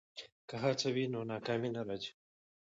که هڅه وي نو ناکامي نه راځي.